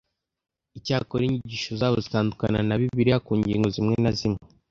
Icyakora, inyigisho zabo zitandukana na Bibiliya ku ngingo zimwe na zimwe,